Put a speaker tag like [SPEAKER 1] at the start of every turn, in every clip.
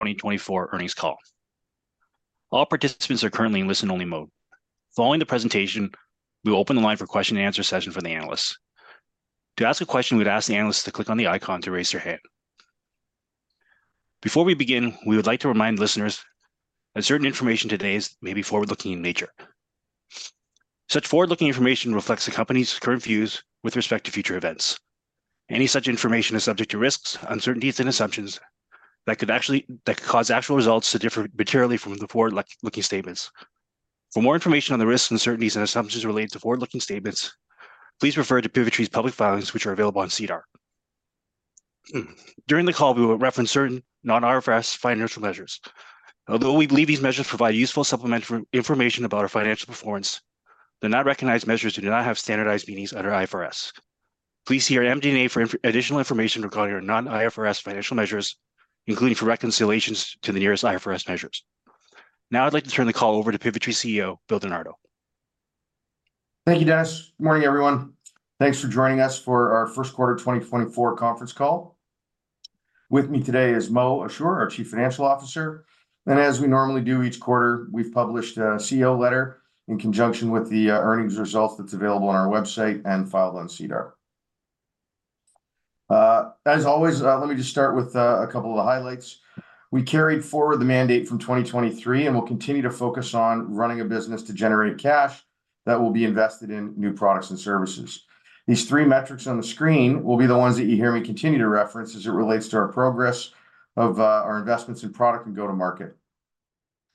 [SPEAKER 1] 2024 earnings call. All participants are currently in listen-only mode. Following the presentation, we will open the line for question-and-answer session for the analysts. To ask a question, we'd ask the analysts to click on the icon to raise their hand. Before we begin, we would like to remind listeners that certain information today may be forward-looking in nature. Such forward-looking information reflects the company's current views with respect to future events. Any such information is subject to risks, uncertainties, and assumptions that could cause actual results to differ materially from the forward-looking statements. For more information on the risks, uncertainties, and assumptions related to forward-looking statements, please refer to Pivotree's public filings, which are available on SEDAR. During the call, we will reference certain non-IFRS financial measures. Although we believe these measures provide useful supplementary information about our financial performance, they're not recognized measures that do not have standardized meanings under IFRS. Please see our MD&A for additional information regarding our non-IFRS financial measures, including for reconciliations to the nearest IFRS measures. Now, I'd like to turn the call over to Pivotree CEO, Bill Di Nardo.
[SPEAKER 2] Thank you, Dennis. Morning, everyone. Thanks for joining us for our first quarter 2024 conference call. With me today is Mo Ashoor, our Chief Financial Officer, and as we normally do each quarter, we've published a CEO letter in conjunction with the earnings results that's available on our website and filed on SEDAR. As always, let me just start with a couple of the highlights. We carried forward the mandate from 2023, and we'll continue to focus on running a business to generate cash that will be invested in new products and services. These three metrics on the screen will be the ones that you hear me continue to reference as it relates to our progress of our investments in product and go-to-market.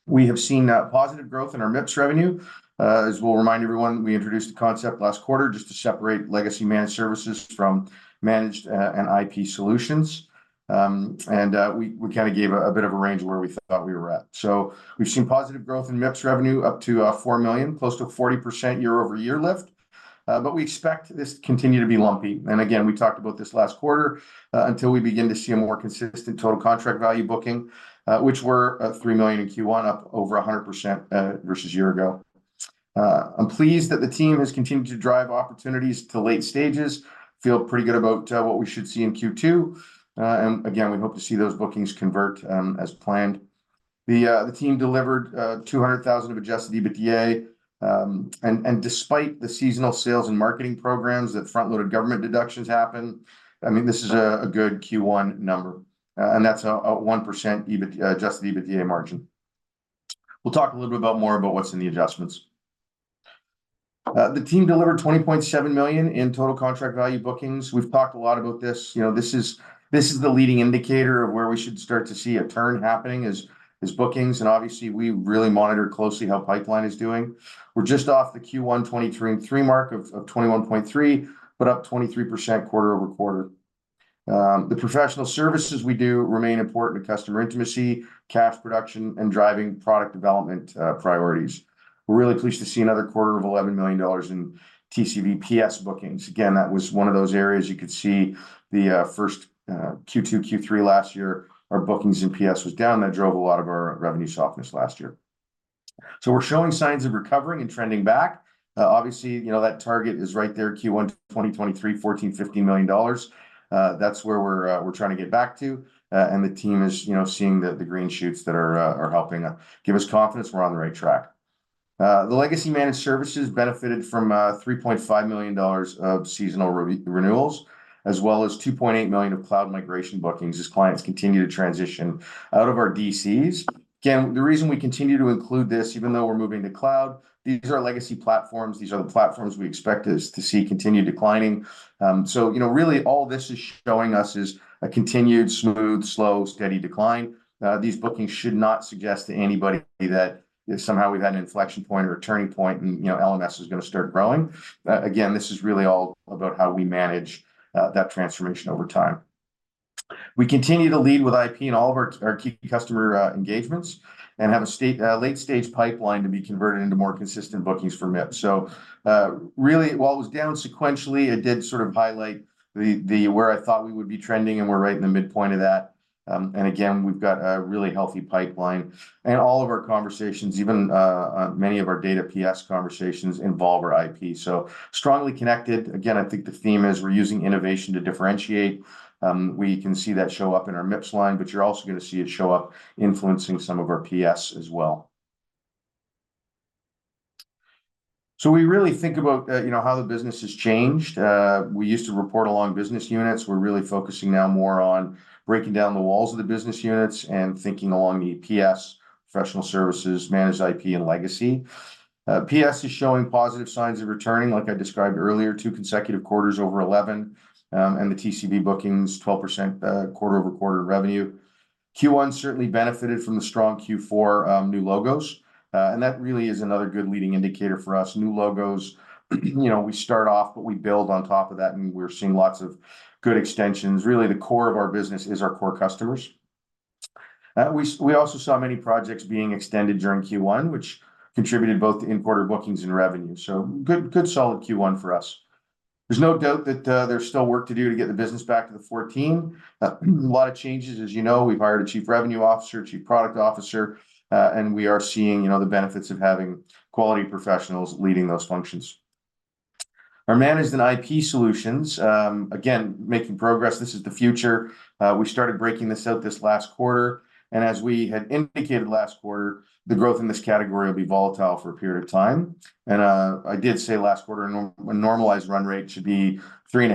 [SPEAKER 2] We have seen positive growth in our MIPS revenue. As we'll remind everyone, we introduced the concept last quarter just to separate Legacy Managed Services from Managed and IP Solutions. And we kinda gave a bit of a range of where we thought we were at. So we've seen positive growth in MIPS revenue, up to 4 million, close to a 40% year-over-year lift. But we expect this to continue to be lumpy. And again, we talked about this last quarter until we begin to see a more consistent total contract value booking, which we're at 3 million in Q1, up over 100% versus a year ago. I'm pleased that the team has continued to drive opportunities to late stages. Feel pretty good about what we should see in Q2. And again, we hope to see those bookings convert as planned. The team delivered 200,000 of Adjusted EBITDA, and despite the seasonal sales and marketing programs, that front-loaded government deductions happen. I mean, this is a good Q1 number, and that's a 1% Adjusted EBITDA margin. We'll talk a little bit more about what's in the adjustments. The team delivered 20.7 million in total contract value bookings. We've talked a lot about this. You know, this is the leading indicator of where we should start to see a turn happening, bookings, and obviously, we really monitor closely how pipeline is doing. We're just off the Q1 2023 mark of 21.3 million, but up 23% quarter-over-quarter. The Professional Services we do remain important to customer intimacy, cash production, and driving product development priorities. We're really pleased to see another quarter of 11 million dollars in TCV PS bookings. Again, that was one of those areas you could see the first Q2, Q3 last year, our bookings in PS was down. That drove a lot of our revenue softness last year. So we're showing signs of recovering and trending back. Obviously, you know, that target is right there, Q1 2023, 14 million-15 million dollars. That's where we're trying to get back to, and the team is, you know, seeing the green shoots that are helping give us confidence we're on the right track. The Legacy Managed Services benefited from 3.5 million dollars of seasonal renewals, as well as 2.8 million of cloud migration bookings as clients continue to transition out of our DCs. Again, the reason we continue to include this, even though we're moving to cloud, these are legacy platforms. These are the platforms we expect us to see continue declining. So, you know, really all this is showing us is a continued, smooth, slow, steady decline. These bookings should not suggest to anybody that somehow we've had an inflection point or a turning point, and, you know, LMS is gonna start growing. Again, this is really all about how we manage that transformation over time. We continue to lead with IP in all of our key customer engagements and have a state late-stage pipeline to be converted into more consistent bookings for MIPS. So, really, while it was down sequentially, it did sort of highlight the where I thought we would be trending, and we're right in the midpoint of that. Again, we've got a really healthy pipeline. All of our conversations, even many of our data PS conversations, involve our IP, so strongly connected. Again, I think the theme is we're using innovation to differentiate. We can see that show up in our MIPS line, but you're also gonna see it show up influencing some of our PS as well. So we really think about, you know, how the business has changed. We used to report along business units. We're really focusing now more on breaking down the walls of the business units and thinking along the PS, Professional Services, Managed IP, and Legacy. PS is showing positive signs of returning, like I described earlier, two consecutive quarters over 11, and the TCV bookings, 12%, quarter-over-quarter revenue. Q1 certainly benefited from the strong Q4, new logos, and that really is another good leading indicator for us. New logos, you know, we start off, but we build on top of that, and we're seeing lots of good extensions. Really, the core of our business is our core customers. We also saw many projects being extended during Q1, which contributed both to in-quarter bookings and revenue, so good, good solid Q1 for us. There's no doubt that, there's still work to do to get the business back to the 14. A lot of changes. As you know, we've hired a Chief Revenue Officer, Chief Product Officer, and we are seeing, you know, the benefits of having quality professionals leading those functions. Our Managed and IP Solutions, again, making progress. This is the future. We started breaking this out this last quarter, and as we had indicated last quarter, the growth in this category will be volatile for a period of time. I did say last quarter, a normalized run rate should be 3.5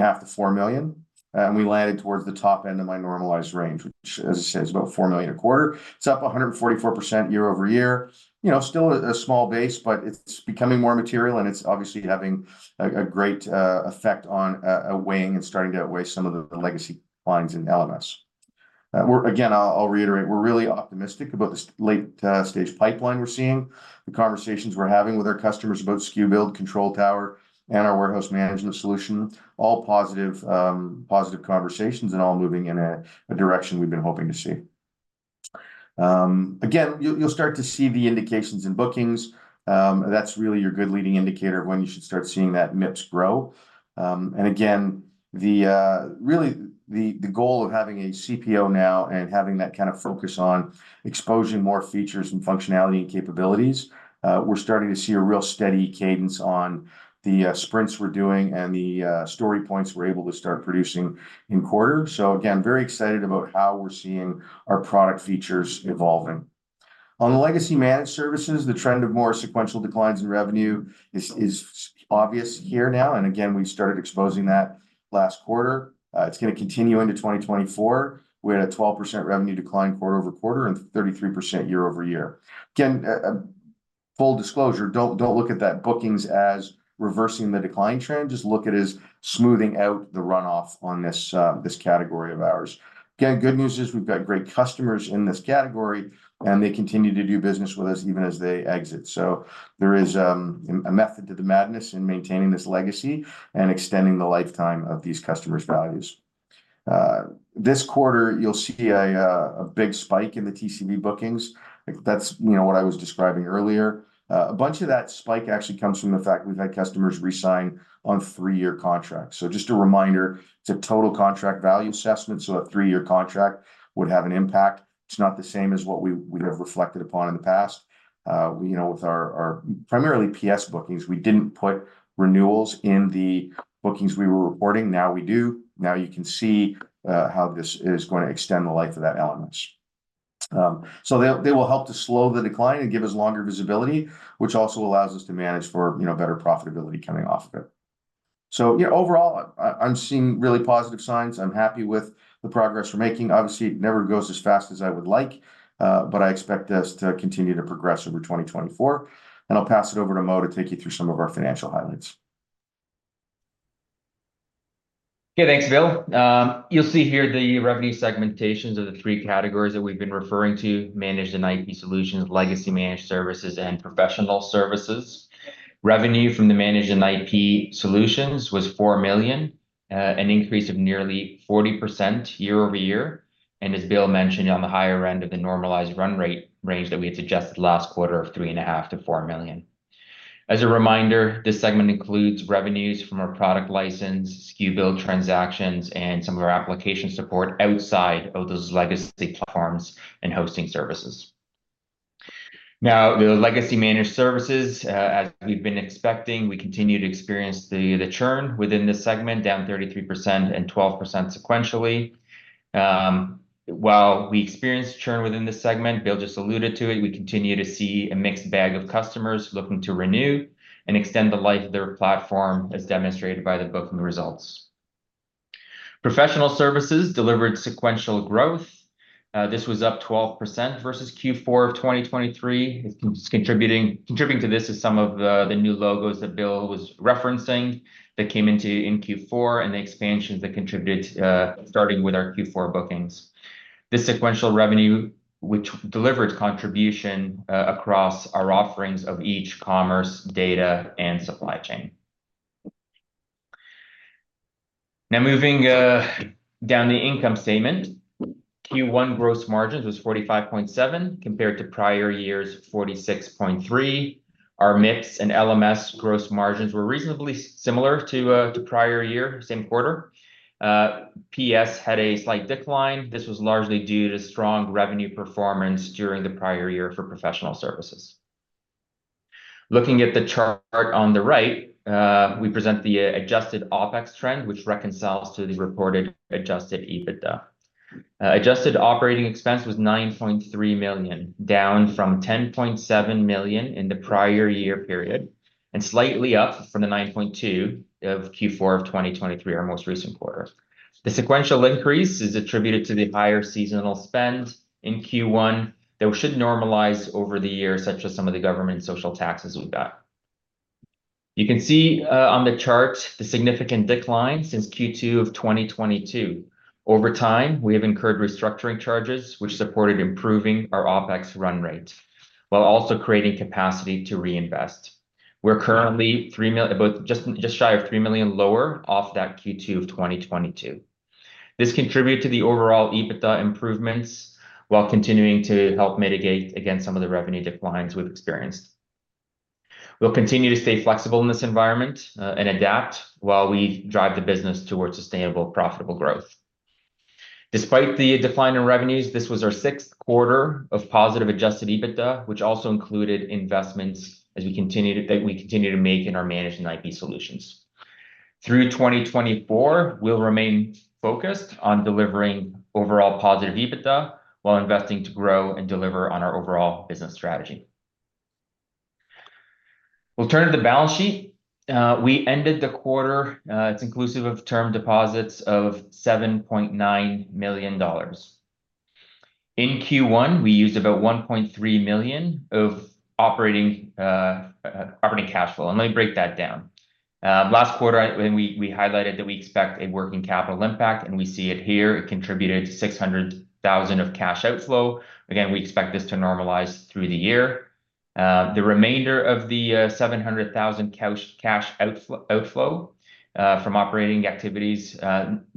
[SPEAKER 2] million-4 million, and we landed towards the top end of my normalized range, which, as I said, is about 4 million a quarter. It's up 144% year-over-year. You know, still a small base, but it's becoming more material, and it's obviously having a great effect on weighing and starting to outweigh some of the legacy lines in LMS. We're, again, I'll reiterate, we're really optimistic about this late-stage pipeline we're seeing. The conversations we're having with our customers about SKU Build, Control Tower, and our warehouse management solution, all positive, positive conversations and all moving in a direction we've been hoping to see. Again, you'll start to see the indications in bookings. That's really your good leading indicator of when you should start seeing that MIPS grow. And again, really the goal of having a CPO now and having that kind of focus on exposing more features and functionality and capabilities, we're starting to see a real steady cadence on the sprints we're doing and the story points we're able to start producing in quarter. So again, very excited about how we're seeing our product features evolving. On the Legacy Managed Services, the trend of more sequential declines in revenue is obvious here now, and again, we started exposing that last quarter. It's gonna continue into 2024, with a 12% revenue decline quarter-over-quarter and 33% year-over-year. Again, full disclosure, don't look at that bookings as reversing the decline trend, just look at as smoothing out the runoff on this category of ours. Again, good news is we've got great customers in this category, and they continue to do business with us even as they exit. So there is a method to the madness in maintaining this legacy and extending the lifetime of these customers' values. This quarter, you'll see a big spike in the TCV bookings. That's, you know, what I was describing earlier. A bunch of that spike actually comes from the fact we've had customers re-sign on three-year contracts. So just a reminder, it's a total contract value assessment, so a three-year contract would have an impact. It's not the same as what we, we have reflected upon in the past. You know, with our, our primarily PS bookings, we didn't put renewals in the bookings we were reporting. Now we do. Now you can see how this is going to extend the life of that elements. So they'll, they will help to slow the decline and give us longer visibility, which also allows us to manage for, you know, better profitability coming off of it. So yeah, overall, I, I'm seeing really positive signs. I'm happy with the progress we're making. Obviously, it never goes as fast as I would like, but I expect us to continue to progress over 2024, and I'll pass it over to Mo to take you through some of our financial highlights.
[SPEAKER 3] Okay, thanks, Bill. You'll see here the revenue segmentations of the three categories that we've been referring to, Managed and IP Solutions, Legacy Managed Services, and Professional Services. Revenue from the Managed and IP Solutions was 4 million, an increase of nearly 40% year-over-year, and as Bill mentioned, on the higher end of the normalized run rate range that we had suggested last quarter of 3.5 million-4 million. As a reminder, this segment includes revenues from our product license, SKU Build transactions, and some of our application support outside of those legacy platforms and hosting services. Now, the Legacy Managed Services, as we've been expecting, we continue to experience the churn within this segment, down 33% and 12% sequentially. While we experienced churn within this segment, Bill just alluded to it, we continue to see a mixed bag of customers looking to renew and extend the life of their platform, as demonstrated by the booking results. Professional Services delivered sequential growth. This was up 12% versus Q4 of 2023. Contributing to this is some of the new logos that Bill was referencing that came into in Q4 and the expansions that contributed, starting with our Q4 bookings. This sequential revenue, which delivered contribution across our offerings of e-commerce, data, and supply chain. Now, moving down the income statement, Q1 gross margins was 45.7, compared to prior year's 46.3. Our mix and LMS gross margins were reasonably similar to the prior year, same quarter. PS had a slight decline. This was largely due to strong revenue performance during the prior year for Professional Services. Looking at the chart on the right, we present the Adjusted OpEx trend, which reconciles to the reported Adjusted EBITDA. Adjusted operating expense was 9.3 million, down from 10.7 million in the prior year period, and slightly up from the 9.2 million of Q4 of 2023, our most recent quarter. The sequential increase is attributed to the higher seasonal spend in Q1, that should normalize over the year, such as some of the government social taxes we've got. You can see on the chart the significant decline since Q2 of 2022. Over time, we have incurred restructuring charges, which supported improving our OpEx run rate, while also creating capacity to reinvest. We're currently 3 million, about just, just shy of 3 million lower off that Q2 of 2022. This contributed to the overall EBITDA improvements, while continuing to help mitigate against some of the revenue declines we've experienced. We'll continue to stay flexible in this environment, and adapt while we drive the business towards sustainable, profitable growth. Despite the decline in revenues, this was our sixth quarter of positive Adjusted EBITDA, which also included investments as we continue to- that we continue to make in our Managed and IP Solutions. Through 2024, we'll remain focused on delivering overall positive EBITDA, while investing to grow and deliver on our overall business strategy. We'll turn to the balance sheet. We ended the quarter, it's inclusive of term deposits of 7.9 million dollars. In Q1, we used about 1.3 million of operating cash flow. Let me break that down. Last quarter, when we highlighted that we expect a working capital impact, and we see it here. It contributed 600,000 of cash outflow. Again, we expect this to normalize through the year. The remainder of the 700,000 cash outflow from operating activities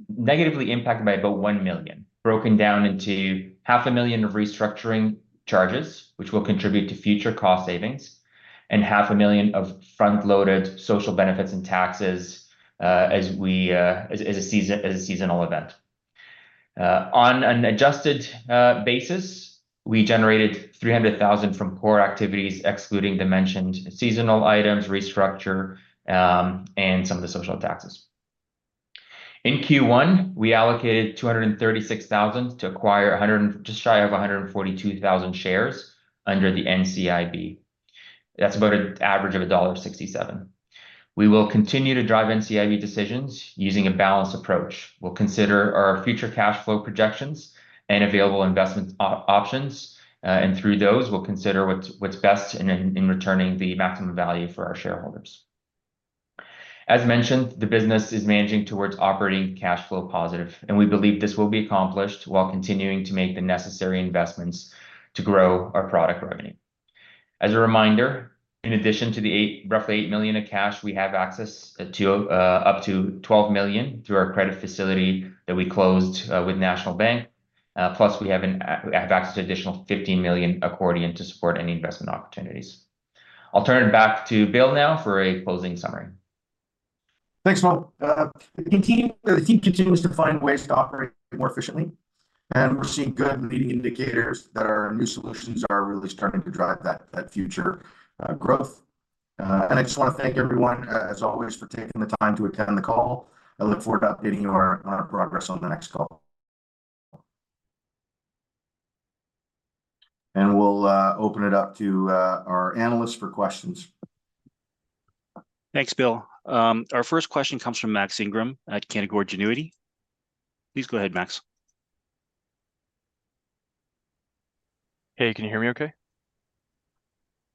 [SPEAKER 3] negatively impacted by about 1 million, broken down into 500,000 of restructuring charges, which will contribute to future cost savings, and 500,000 of front-loaded social benefits and taxes, as a seasonal event. On an adjusted basis, we generated 300,000 from core activities, excluding the mentioned seasonal items, restructure, and some of the social taxes. In Q1, we allocated 236,000 to acquire just shy of 142,000 shares under the NCIB. That's about an average of dollar 1.67. We will continue to drive NCIB decisions using a balanced approach. We'll consider our future cash flow projections and available investment options, and through those, we'll consider what's best in returning the maximum value for our shareholders. As mentioned, the business is managing towards operating cash flow positive, and we believe this will be accomplished while continuing to make the necessary investments to grow our product revenue. As a reminder, in addition to roughly 8 million of cash, we have access to up to 12 million through our credit facility that we closed with National Bank. Plus, we have access to additional 15 million accordion to support any investment opportunities. I'll turn it back to Bill now for a closing summary.
[SPEAKER 2] Thanks, well, the team continues to find ways to operate more efficiently, and we're seeing good leading indicators that our new solutions are really starting to drive that future growth. And I just wanna thank everyone, as always, for taking the time to attend the call. I look forward to updating you on our progress on the next call. And we'll open it up to our analysts for questions.
[SPEAKER 1] Thanks, Bill. Our first question comes from Max Ingram at Canaccord Genuity. Please go ahead, Max.
[SPEAKER 4] Hey, can you hear me okay?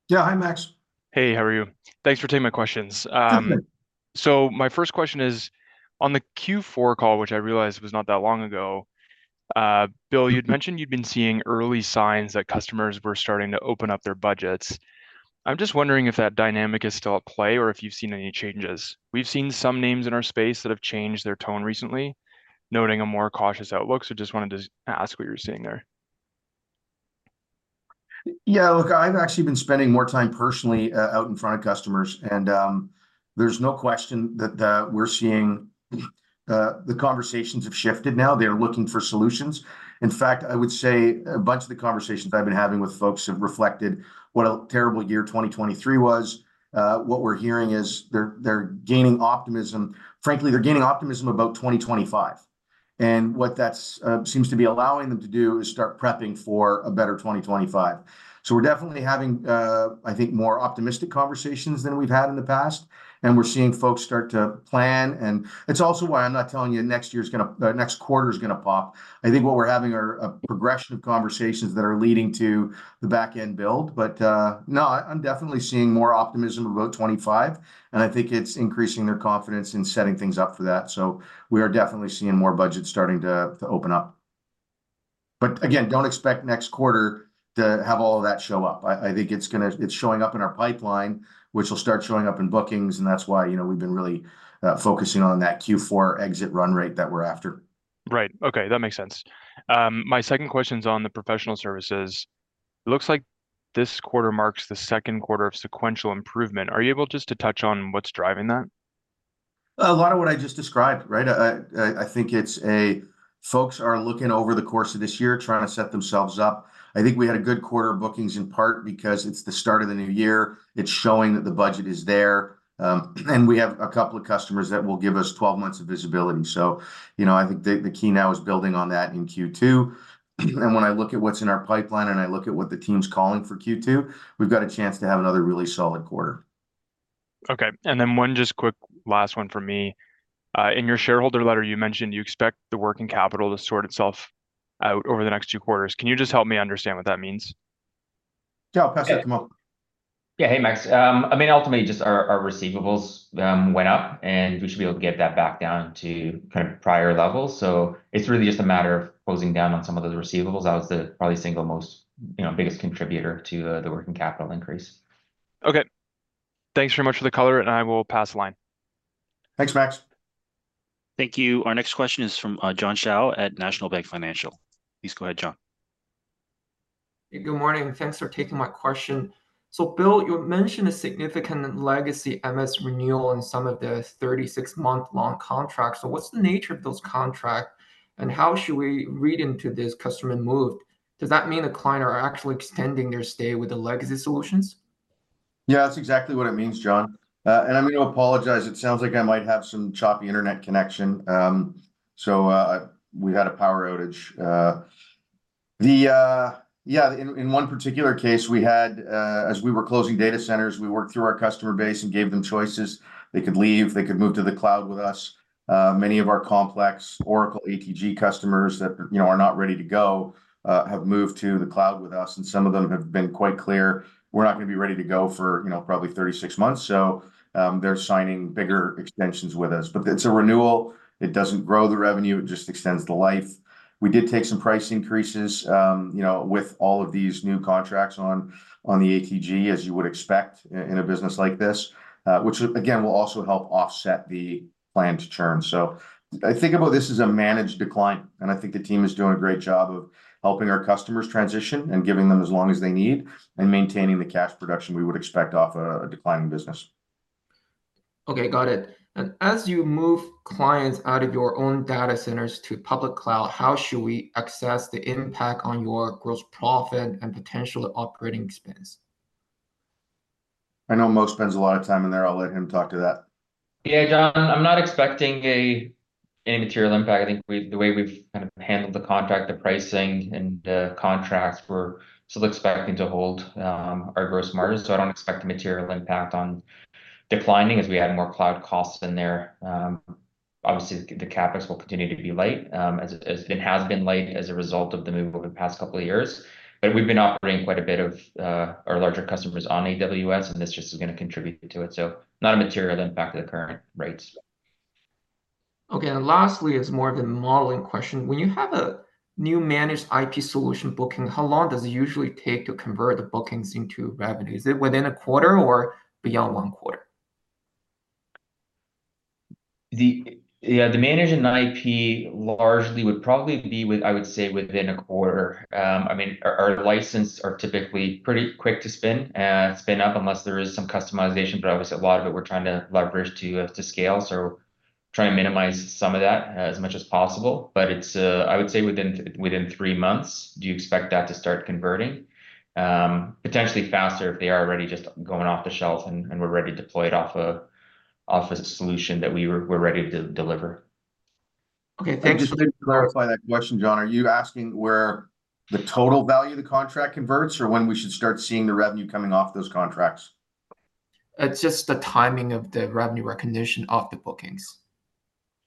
[SPEAKER 2] Yeah. Hi, Max.
[SPEAKER 4] Hey, how are you? Thanks for taking my questions.
[SPEAKER 2] Okay.
[SPEAKER 4] So my first question is, on the Q4 call, which I realized was not that long ago, Bill, you'd mentioned you'd been seeing early signs that customers were starting to open up their budgets. I'm just wondering if that dynamic is still at play, or if you've seen any changes. We've seen some names in our space that have changed their tone recently, noting a more cautious outlook, so just wanted to just ask what you're seeing there.
[SPEAKER 2] Yeah, look, I've actually been spending more time personally out in front of customers, and there's no question that we're seeing the conversations have shifted now. They're looking for solutions. In fact, I would say a bunch of the conversations I've been having with folks have reflected what a terrible year 2023 was. What we're hearing is they're gaining optimism. Frankly, they're gaining optimism about 2025, and what that's seems to be allowing them to do is start prepping for a better 2025. So we're definitely having, I think, more optimistic conversations than we've had in the past, and we're seeing folks start to plan, and it's also why I'm not telling you next year's gonna- next quarter's gonna pop. I think what we're having are a progression of conversations that are leading to the back-end build. But, no, I'm definitely seeing more optimism about 25, and I think it's increasing their confidence in setting things up for that. So we are definitely seeing more budgets starting to open up. But again, don't expect next quarter to have all of that show up. I think it's gonna... It's showing up in our pipeline, which will start showing up in bookings, and that's why, you know, we've been really focusing on that Q4 exit run rate that we're after.
[SPEAKER 4] Right. Okay, that makes sense. My second question's on the Professional Services. It looks like this quarter marks the second quarter of sequential improvement. Are you able just to touch on what's driving that?
[SPEAKER 2] A lot of what I just described, right? I think it's that folks are looking over the course of this year, trying to set themselves up. I think we had a good quarter of bookings, in part because it's the start of the new year. It's showing that the budget is there, and we have a couple of customers that will give us 12 months of visibility. So, you know, I think the key now is building on that in Q2. And when I look at what's in our pipeline, and I look at what the team's calling for Q2, we've got a chance to have another really solid quarter.
[SPEAKER 4] Okay, and then one just quick last one from me. In your shareholder letter, you mentioned you expect the working capital to sort itself out over the next two quarters. Can you just help me understand what that means?
[SPEAKER 2] Yeah, pass it to Mo.
[SPEAKER 3] Yeah. Hey, Max. I mean, ultimately, just our receivables went up, and we should be able to get that back down to kind of prior levels. So it's really just a matter of closing down on some of the receivables. That was probably the single most, you know, biggest contributor to the working capital increase.
[SPEAKER 4] Okay. Thanks very much for the color, and I will pass the line.
[SPEAKER 2] Thanks, Max.
[SPEAKER 1] Thank you. Our next question is from John Shao at National Bank Financial. Please go ahead, John....
[SPEAKER 5] Good morning, and thanks for taking my question. So Bill, you mentioned a significant legacy MS renewal in some of the 36-month long contracts. So what's the nature of those contracts, and how should we read into this customer move? Does that mean the clients are actually extending their stay with the legacy solutions?
[SPEAKER 2] Yeah, that's exactly what it means, John. And I'm going to apologize. It sounds like I might have some choppy internet connection. We had a power outage. In one particular case we had, as we were closing data centers, we worked through our customer base and gave them choices. They could leave, they could move to the cloud with us. Many of our complex Oracle ATG customers that, you know, are not ready to go, have moved to the cloud with us, and some of them have been quite clear, "We're not gonna be ready to go for, you know, probably 36 months." So, they're signing bigger extensions with us. But it's a renewal, it doesn't grow the revenue, it just extends the life. We did take some price increases, you know, with all of these new contracts on the ATG, as you would expect in a business like this. Which again, will also help offset the planned churn. So I think about this as a managed decline, and I think the team is doing a great job of helping our customers transition and giving them as long as they need, and maintaining the cash production we would expect off a declining business.
[SPEAKER 5] Okay, got it. As you move clients out of your own data centers to public cloud, how should we assess the impact on your gross profit and potential operating expense?
[SPEAKER 2] I know Mo spends a lot of time in there. I'll let him talk to that.
[SPEAKER 3] Yeah, John, I'm not expecting any material impact. I think we, the way we've kind of handled the contract, the pricing and the contracts, we're still expecting to hold our gross margins. So I don't expect a material impact on declining as we add more cloud costs in there. Obviously, the CapEx will continue to be light, as it has been light as a result of the move over the past couple of years. But we've been operating quite a bit of our larger customers on AWS, and this just is gonna contribute to it. So not a material impact to the current rates.
[SPEAKER 5] Okay. Lastly, it's more of a modeling question. When you have a new managed IP solution booking, how long does it usually take to convert the bookings into revenue? Is it within a quarter or beyond one quarter?
[SPEAKER 3] Yeah, the managed IP largely would probably be with, I would say, within a quarter. I mean, our licenses are typically pretty quick to spin up unless there is some customization. But obviously, a lot of it we're trying to leverage to scale, so try and minimize some of that as much as possible. But it's, I would say, within three months. Do you expect that to start converting? Potentially faster if they are already just going off the shelf and we're ready to deploy it off a solution that we're ready to deliver.
[SPEAKER 5] Okay, thank you-
[SPEAKER 2] Just to clarify that question, John, are you asking where the total value of the contract converts, or when we should start seeing the revenue coming off those contracts?
[SPEAKER 5] It's just the timing of the revenue recognition of the bookings.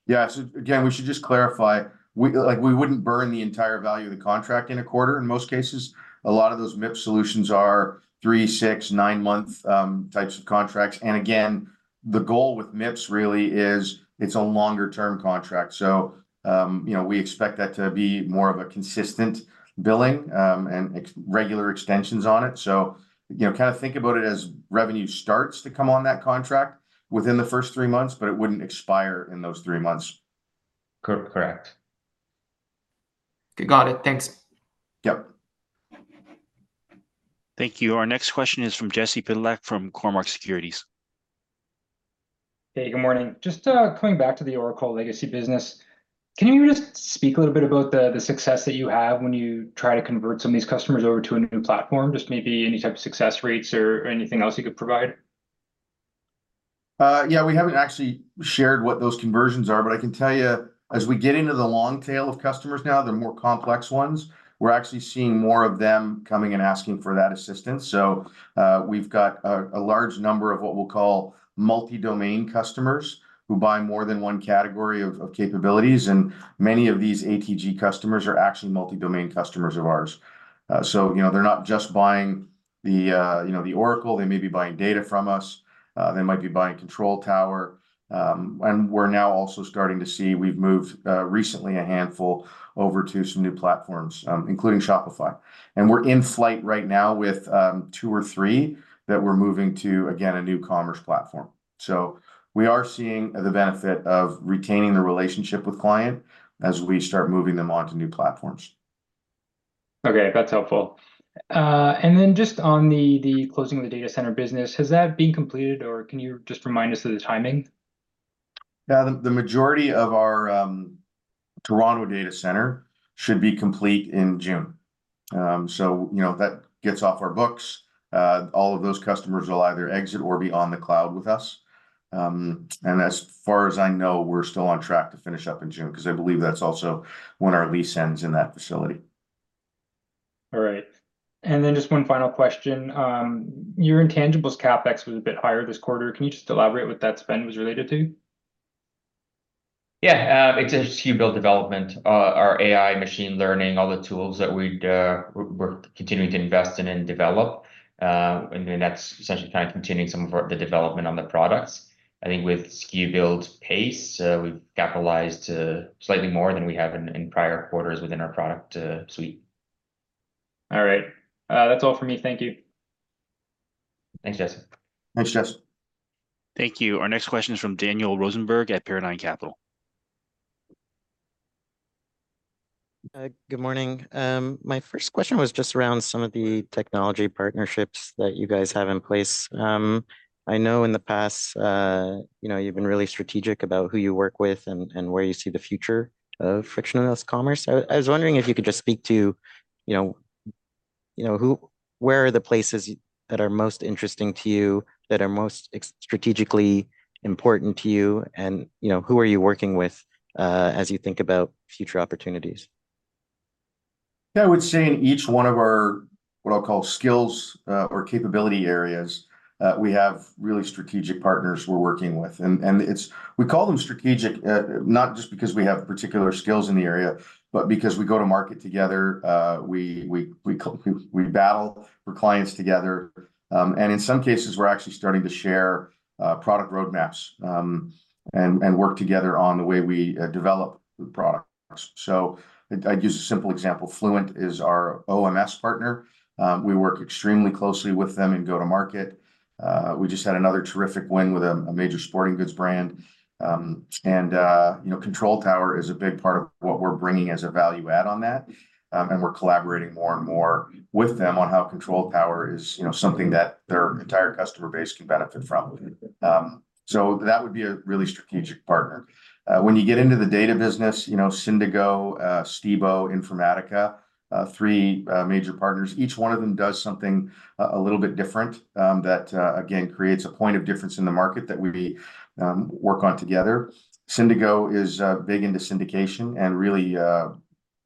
[SPEAKER 2] Yeah. So again, we should just clarify, we, like, we wouldn't burn the entire value of the contract in a quarter in most cases. A lot of those MIPS solutions are three, six, nine-month types of contracts. And again, the goal with MIPS really is it's a longer term contract. So, you know, we expect that to be more of a consistent billing and expected regular extensions on it. So, you know, kind of think about it as revenue starts to come on that contract within the first three months, but it wouldn't expire in those three months.
[SPEAKER 3] Cor- correct.
[SPEAKER 5] Okay, got it. Thanks.
[SPEAKER 2] Yep.
[SPEAKER 1] Thank you. Our next question is from Jesse Pytlak from Cormark Securities.
[SPEAKER 6] Hey, good morning. Just coming back to the Oracle Legacy business, can you just speak a little bit about the success that you have when you try to convert some of these customers over to a new platform? Just maybe any type of success rates or anything else you could provide?
[SPEAKER 2] Yeah, we haven't actually shared what those conversions are, but I can tell you, as we get into the long tail of customers now, the more complex ones, we're actually seeing more of them coming and asking for that assistance. So, we've got a large number of what we'll call multi-domain customers, who buy more than one category of capabilities, and many of these ATG customers are actually multi-domain customers of ours. So, you know, they're not just buying the, you know, the Oracle, they may be buying data from us, they might be buying Control Tower. And we're now also starting to see we've moved, recently a handful over to some new platforms, including Shopify. And we're in flight right now with, two or three that we're moving to, again, a new commerce platform. We are seeing the benefit of retaining the relationship with client as we start moving them onto new platforms.
[SPEAKER 6] Okay, that's helpful. And then just on the closing of the data center business, has that been completed, or can you just remind us of the timing?
[SPEAKER 2] Yeah. The majority of our Toronto data center should be complete in June. So, you know, that gets off our books. All of those customers will either exit or be on the cloud with us. And as far as I know, we're still on track to finish up in June, 'cause I believe that's also when our lease ends in that facility.
[SPEAKER 6] All right. Just one final question. Your intangibles CapEx was a bit higher this quarter. Can you just elaborate what that spend was related to?
[SPEAKER 3] Yeah, it's just SKU Build development, our AI machine learning, all the tools that we're continuing to invest in and develop. And then that's essentially kind of continuing some of our, the development on the products. I think with SKU Build pace, we've capitalized, slightly more than we have in prior quarters within our product suite.
[SPEAKER 6] All right. That's all for me. Thank you.
[SPEAKER 3] Thanks, Jesse.
[SPEAKER 2] Thanks, Jesse.
[SPEAKER 1] Thank you. Our next question is from Daniel Rosenberg at Paradigm Capital. ...
[SPEAKER 7] Good morning. My first question was just around some of the technology partnerships that you guys have in place. I know in the past, you know, you've been really strategic about who you work with and, and where you see the future of frictionless commerce. I was wondering if you could just speak to, you know, you know, where are the places that are most interesting to you, that are most strategically important to you, and, you know, who are you working with, as you think about future opportunities?
[SPEAKER 2] Yeah, I would say in each one of our, what I'll call skills, or capability areas, we have really strategic partners we're working with. We call them strategic, not just because we have particular skills in the area, but because we go to market together, we battle for clients together. And in some cases, we're actually starting to share product roadmaps, and work together on the way we develop the products. So I'd use a simple example. Fluent is our OMS partner. We work extremely closely with them in go-to-market. We just had another terrific win with a major sporting goods brand. And, you know, Control Tower is a big part of what we're bringing as a value add on that, and we're collaborating more and more with them on how Control Tower is, you know, something that their entire customer base can benefit from. So that would be a really strategic partner. When you get into the data business, you know, Syndigo, Stibo, Informatica, three major partners. Each one of them does something a little bit different, that again, creates a point of difference in the market that we work on together. Syndigo is big into syndication, and really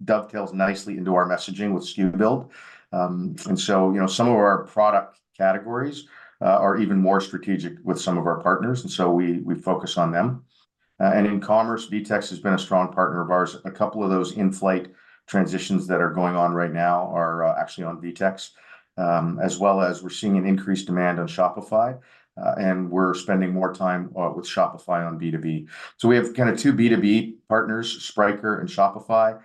[SPEAKER 2] dovetails nicely into our messaging with SKU Build. And so, you know, some of our product categories are even more strategic with some of our partners, and so we, we focus on them. And in commerce, VTEX has been a strong partner of ours. A couple of those in-flight transitions that are going on right now are actually on VTEX. As well as we're seeing an increased demand on Shopify, and we're spending more time with Shopify on B2B. So we have kind of two B2B partners, Spryker and Shopify.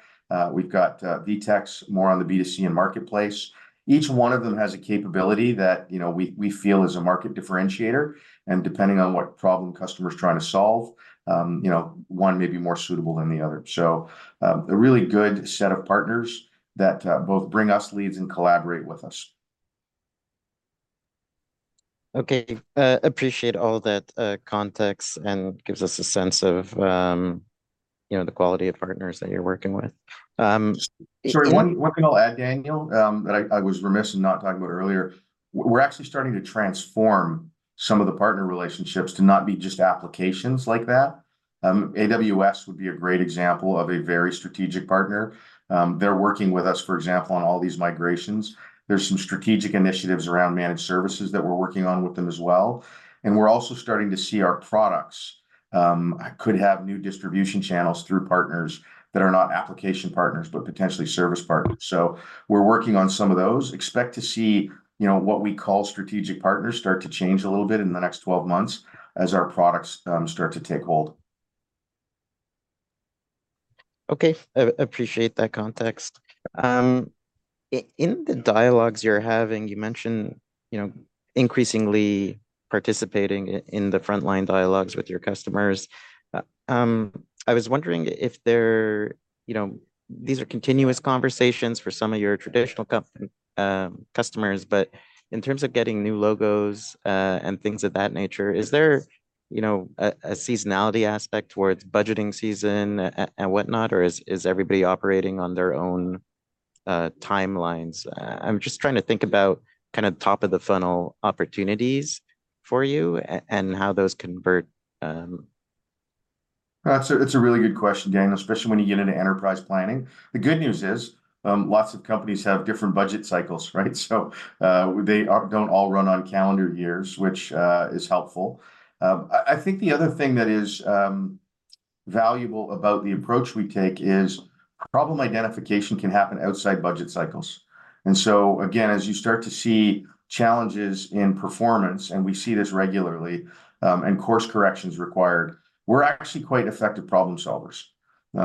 [SPEAKER 2] We've got VTEX more on the B2C and marketplace. Each one of them has a capability that, you know, we feel is a market differentiator, and depending on what problem customer's trying to solve, you know, one may be more suitable than the other. So, a really good set of partners that both bring us leads and collaborate with us.
[SPEAKER 7] Okay. Appreciate all that context and gives us a sense of, you know, the quality of partners that you're working with. In-
[SPEAKER 2] Sorry, one thing I'll add, Daniel, that I was remiss in not talking about earlier, we're actually starting to transform some of the partner relationships to not be just applications like that. AWS would be a great example of a very strategic partner. They're working with us, for example, on all these migrations. There's some strategic initiatives around managed services that we're working on with them as well, and we're also starting to see our products could have new distribution channels through partners that are not application partners, but potentially service partners. So we're working on some of those. Expect to see, you know, what we call strategic partners start to change a little bit in the next 12 months as our products start to take hold.
[SPEAKER 7] Okay. I appreciate that context. In the dialogues you're having, you mentioned, you know, increasingly participating in the frontline dialogues with your customers. I was wondering if there you know, these are continuous conversations for some of your traditional comp customers, but in terms of getting new logos and things of that nature, is there, you know, a seasonality aspect where it's budgeting season and whatnot, or is everybody operating on their own timelines? I'm just trying to think about kind of top-of-the-funnel opportunities for you and how those convert.
[SPEAKER 2] That's a, it's a really good question, Daniel, especially when you get into enterprise planning. The good news is, lots of companies have different budget cycles, right? So, they don't all run on calendar years, which is helpful. I think the other thing that is valuable about the approach we take is problem identification can happen outside budget cycles. And so, again, as you start to see challenges in performance, and we see this regularly, and course corrections required, we're actually quite effective problem solvers.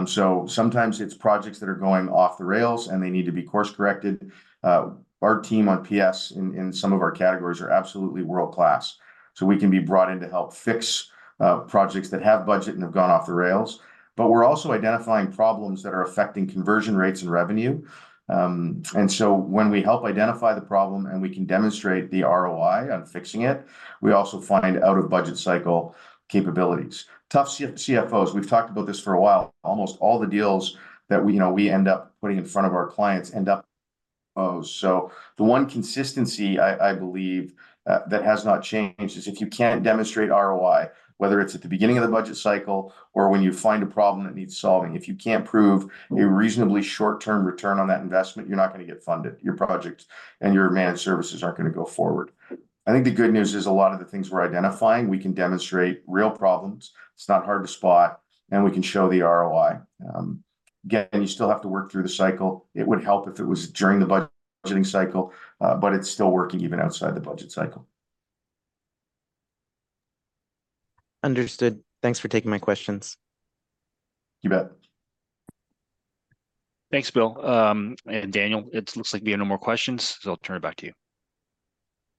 [SPEAKER 2] So sometimes it's projects that are going off the rails, and they need to be course-corrected. Our team on PS in some of our categories are absolutely world-class, so we can be brought in to help fix projects that have budget and have gone off the rails, but we're also identifying problems that are affecting conversion rates and revenue. And so when we help identify the problem, and we can demonstrate the ROI on fixing it, we also find out-of-budget cycle capabilities. Tough CFOs, we've talked about this for a while. Almost all the deals that we, you know, we end up putting in front of our clients end up... So the one consistency, I believe, that has not changed is if you can't demonstrate ROI, whether it's at the beginning of the budget cycle or when you find a problem that needs solving, if you can't prove a reasonably short-term return on that investment, you're not gonna get funded. Your project and your managed services aren't gonna go forward. I think the good news is a lot of the things we're identifying, we can demonstrate real problems. It's not hard to spot, and we can show the ROI. Again, you still have to work through the cycle. It would help if it was during the budgeting cycle, but it's still working even outside the budget cycle.
[SPEAKER 7] Understood. Thanks for taking my questions.
[SPEAKER 2] You bet.
[SPEAKER 1] Thanks, Bill. Daniel, it looks like we have no more questions, so I'll turn it back to you.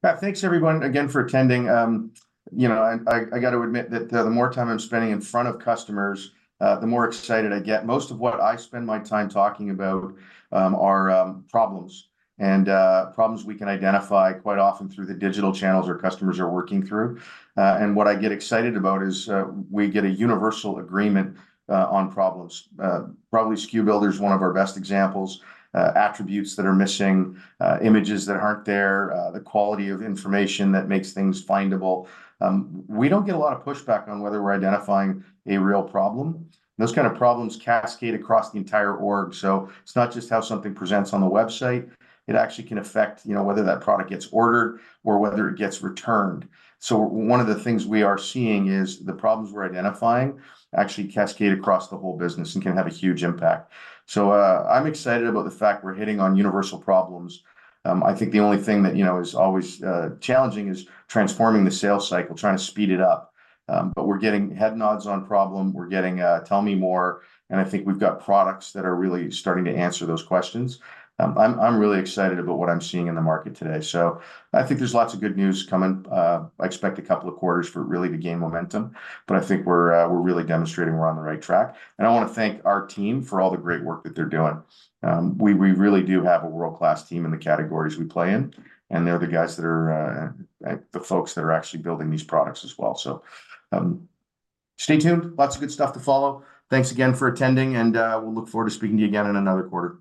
[SPEAKER 2] Yeah. Thanks, everyone, again, for attending. You know, and I, I got to admit that, the more time I'm spending in front of customers, the more excited I get. Most of what I spend my time talking about, are, problems, and, problems we can identify quite often through the digital channels our customers are working through. And what I get excited about is, we get a universal agreement, on problems. Probably SKU Build is one of our best examples. Attributes that are missing, images that aren't there, the quality of information that makes things findable. We don't get a lot of pushback on whether we're identifying a real problem. Those kind of problems cascade across the entire org, so it's not just how something presents on the website, it actually can affect, you know, whether that product gets ordered or whether it gets returned. So one of the things we are seeing is the problems we're identifying actually cascade across the whole business and can have a huge impact. So, I'm excited about the fact we're hitting on universal problems. I think the only thing that, you know, is always challenging is transforming the sales cycle, trying to speed it up. But we're getting head nods on problem, we're getting, "Tell me more," and I think we've got products that are really starting to answer those questions. I'm really excited about what I'm seeing in the market today. So I think there's lots of good news coming. I expect a couple of quarters for it really to gain momentum, but I think we're really demonstrating we're on the right track. I wanna thank our team for all the great work that they're doing. We really do have a world-class team in the categories we play in, and they're the folks that are actually building these products as well. Stay tuned. Lots of good stuff to follow. Thanks again for attending, and we'll look forward to speaking to you again in another quarter.